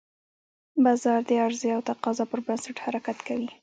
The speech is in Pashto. بازار د عرضې او تقاضا پر بنسټ حرکت کوي.